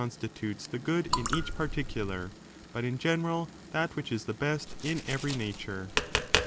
9 stitutes the good in each particular, but, in general, that which is the best in every nature.